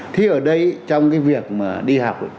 thì ở đây trong cái việc đi học